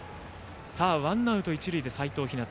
ワンアウト、一塁で齋藤陽。